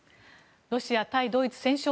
ロシア、対ドイツ戦勝